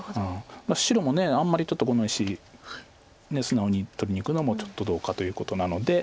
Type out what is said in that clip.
白もあんまりこの石素直に取りにいくのもちょっとどうかということなので。